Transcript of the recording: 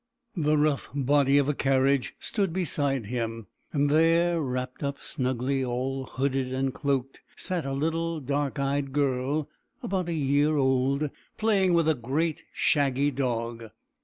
The rough body of a carriage stood beside him, and there, wrapped up snugly, all hooded and cloaked, sat a little dark eyed girl, about a year old, playing with a great, shaggy dog.